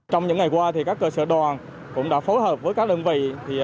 trong những ngày qua các cơ sở đoàn cũng đã phối hợp với các đơn vị